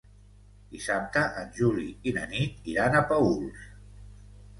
Dissabte en Juli i na Nit iran a Paüls.